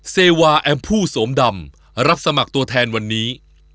เซวาแอมพู่โสมดำรับสมัครตัวแทนวันนี้